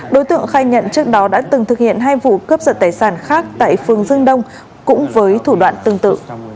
đối tượng khai nhận trước đó đã từng thực hiện hai vụ cướp giật tài sản khác tại phường dương đông cũng với thủ đoạn tương tự